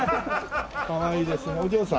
かわいいですねお嬢さん？